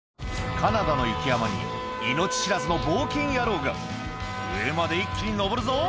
カナダの雪山に命知らずの冒険野郎が「上まで一気に登るぞ」